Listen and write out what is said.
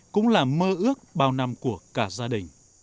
cũng là mơ ước bao năm của cả gia đình